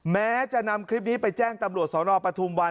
แม้จะนำคลิปนี้ไปแจ้งตำรวจสนปฐุมวัน